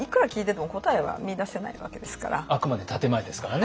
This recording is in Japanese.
あくまで建て前ですからね。